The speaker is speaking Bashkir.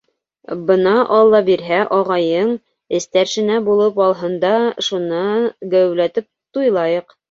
Бына, алла бирһә, ағайың эстәршенә булып алһын да, шуны геүләтеп туйлайыҡ.